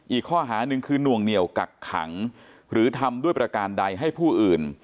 อีกข้อหาหนึ่งคือนวงเหนียวกักขังหรือทำด้วยประการใดให้ผู้อื่น